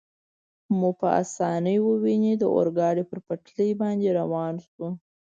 مو په اسانۍ وویني، د اورګاډي پر پټلۍ باندې روان شو.